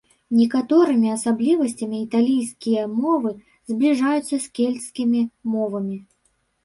Некаторымі асаблівасцямі італійскія мовы збліжаюцца з кельцкімі мовамі.